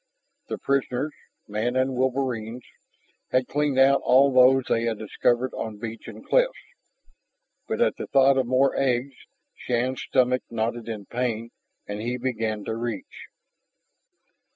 The prisoners, man and wolverines, had cleaned out all those they had discovered on beach and cliffs. But at the thought of more eggs, Shann's stomach knotted in pain and he began to retch.